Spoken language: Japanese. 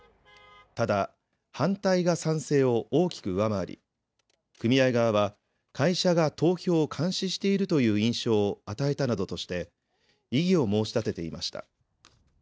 ただ、反対が賛成を大きく上回り、組合側は会社が投票を監視しているという印象を与えたなどとして、異議を申し立てていました。